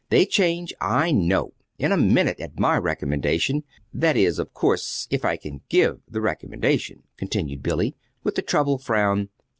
They'd change, I know, in a minute, at my recommendation that is, of course, if I can give the recommendation," continued Billy, with a troubled frown.